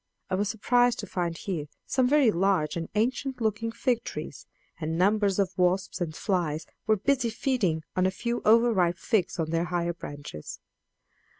I was surprised to find here some very large and ancient looking fig trees, and numbers of wasps and flies were busy feeding on a few over ripe figs on the higher branches.